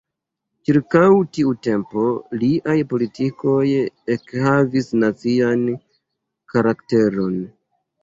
Ĉirkaŭ tiu tempo liaj politikoj ekhavis nacian karakteron.